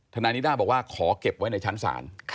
นายนิด้าบอกว่าขอเก็บไว้ในชั้นศาล